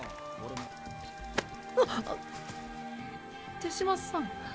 手嶋さん。